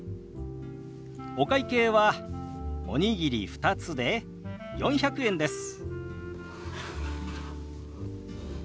お会計はおにぎり２つで４００円です。